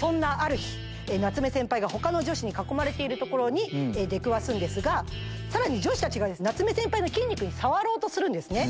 そんなある日棗先輩が他の女子に囲まれているところに出くわすんですがさらに女子たちが棗先輩の筋肉に触ろうとするんですね。